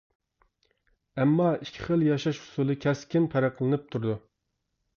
ئەمما ئىككى خىل ياشاش ئۇسۇلى كەسكىن پەرقلىنىپ تۇرىدۇ.